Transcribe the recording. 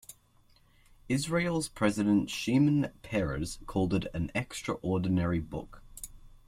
Israel's president Shimon Peres called it "an extraordinary book".